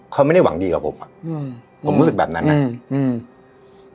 เขาไม่ได้หวังดีกับผมอ่ะอืมผมรู้สึกแบบนั้นอ่ะอืมอืม